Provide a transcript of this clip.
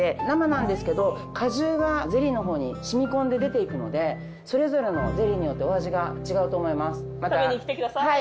生なんですけど果汁がゼリーの方に染み込んで出ていくのでそれぞれのゼリーによってお味が違うと思います。